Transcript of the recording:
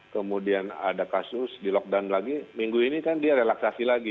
kemudian ada kasus di lockdown lagi minggu ini kan dia relaksasi lagi